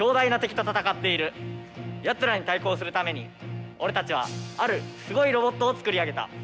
やつらに対抗するために俺たちはあるすごいロボットを作り上げた。